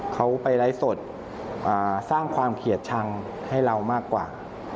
เขาไปไลฟ์สดสร้างความเกลียดชังให้เรามากกว่า